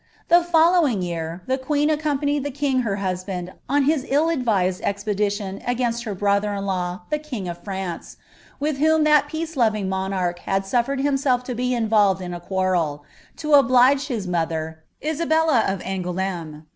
The following year, the queen accoiDintiinl llw king her busbaud on his itl mlvised expediltoTi agaioat her brutlin iii Uw, the king of France,' with whom that pe&ce^oving monarch hiil BiiAared himself to be involved in a quarrel, to oblige hu mother, Inbdii of Angoul^ute.'